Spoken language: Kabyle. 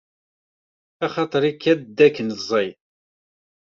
Axaṭaṛ ikad dakken ẓẓay.